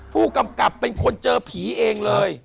ผู้กำกับเป็นคนเจอผีเองเลย